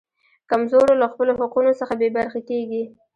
کمزورو له خپلو حقونو څخه بې برخې کیږي.